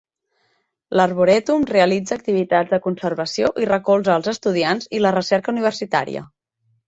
L'Arboretum realitza activitats de conservació i recolza els estudiants i la recerca universitària.